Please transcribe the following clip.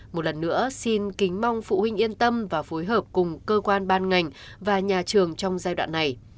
một lần nữa xin kính mong phụ huynh yên tâm và phối hợp cùng cơ quan ban ngành và nhà trường trong giai đoạn này